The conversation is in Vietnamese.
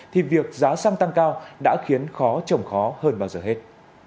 thì việc giá xăng tăng cao đã khiến khó trồng khó hơn bao giờ hết